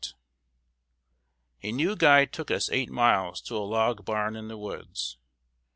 _ A new guide took us eight miles to a log barn in the woods.